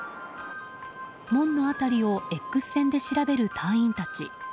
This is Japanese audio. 門の辺りをＸ線で調べる隊員たち。